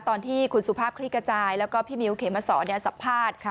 ตอนที่คุณสุภาพคลิกจายแล้วก็พี่มิวเขมาสอนสับพาท